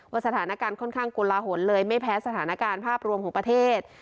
สถานการณ์ค่อนข้างกลหนเลยไม่แพ้สถานการณ์ภาพรวมของประเทศ